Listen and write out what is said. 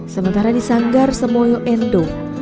sementara di sanggar semoyo endo